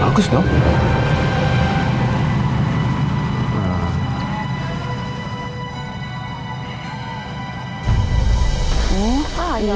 gak masalah kok buat saya